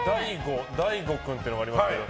大悟君っていうのがありますけど。